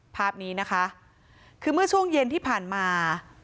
ภาพนี้นะคะคือเมื่อช่วงเย็นที่ผ่านมา